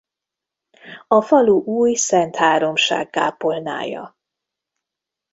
A falu új Szentháromság-kápolnája.